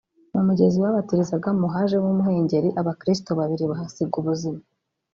mu mugezi babatirizagamo hajemo umuhengeri abakirisitu babiri bahasiga ubuzima